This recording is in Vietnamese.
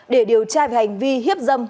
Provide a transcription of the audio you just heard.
để điều tra về hành vi hiếp dâm